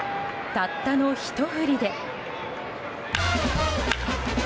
たったのひと振りで。